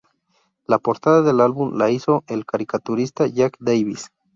La portada del álbum la hizo el caricaturista Jack Davis.